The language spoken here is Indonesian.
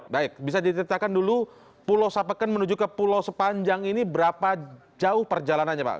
baik bisa diceritakan dulu pulau sapeken menuju ke pulau sepanjang ini berapa jauh perjalanannya pak